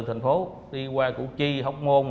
từ thành phố đi qua củ chi hóc môn